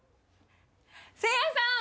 せいやさん！